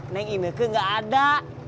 neng ineke gak ada